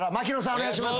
お願いします。